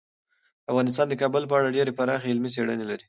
افغانستان د کابل په اړه ډیرې پراخې علمي څېړنې لري.